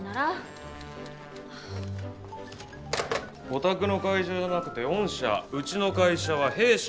お宅の会社じゃなくて「御社」うちの会社は「弊社」。